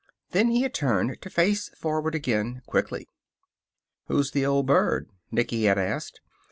Then he had turned to face forward again, quickly. "Who's the old bird?" Nicky had asked.